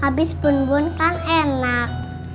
abis bun bun kan enak